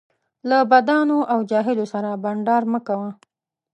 له بدانو او جاهلو سره بنډار مه کوه